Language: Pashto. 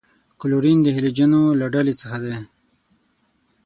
کلورین د هلوجنو له ډلې څخه دی.